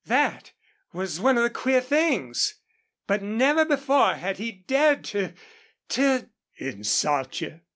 That was one of the queer things. But never before had he dared to to " "Insult you.